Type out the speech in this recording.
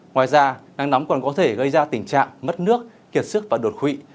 ngoài ra nắng nóng còn có thể gây ra tình trạng mất nước kiệt sức và đột quỵ